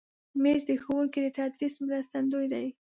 مېز د ښوونکي د تدریس مرستندوی دی.